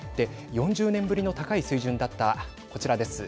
４０年ぶりの高い水準だったこちらです。